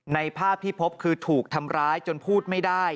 ภาพที่พบคือถูกทำร้ายจนพูดไม่ได้